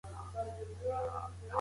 ښه اخلاق تل عزت زياتوي